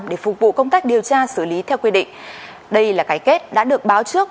để phục vụ công tác điều tra xử lý theo quy định đây là cái kết đã được báo trước